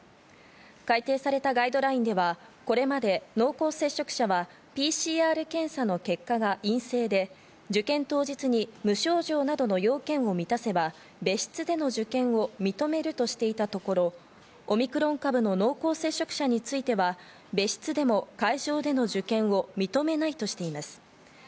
改定されたガイドラインではこれまで濃厚接触者はＰＣＲ検査の結果が陰性で、受験当日に無症状などの要件を満たせば別室での受験を認めるとしていたところ、オミクロン株の濃厚接触者については、別室でも会場での受験を認めないとしています。